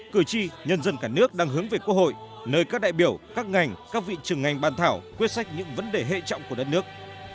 cử tri nhân dân cả nước đang hướng về quốc hội nơi các đại biểu các ngành các vị trường ngành bàn thảo quyết sách những vấn đề hệ trọng của đất nước